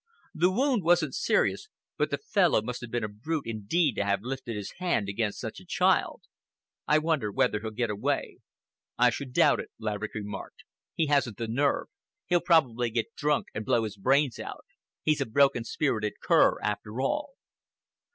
The wound wasn't serious, but the fellow must have been a brute indeed to have lifted his hand against such a child. I wonder whether he'll get away." "I should doubt it," Laverick remarked. "He hasn't the nerve. He'll probably get drunk and blow his brains out. He's a broken spirited cur, after all."